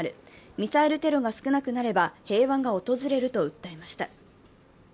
ミサイルテロが少なくなれば平和が訪れると訴えました。